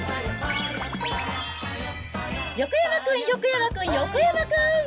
横山君、横山君、横山君。